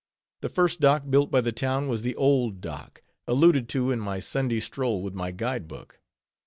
The first dock built by the town was the "Old Dock," alluded to in my Sunday stroll with my guide book.